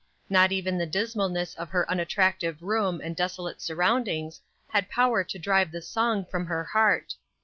Not even the dismalness of her unattractive room and desolate surroundings had power to drive the song from her heart.